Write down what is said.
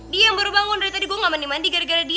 dia yang baru bangun dari tadi gue gak mandi mandi gara gara dia